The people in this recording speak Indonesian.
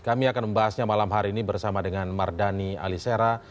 kami akan membahasnya malam hari ini bersama dengan mardani alisera